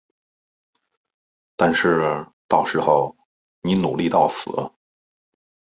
但是到时候你努力到死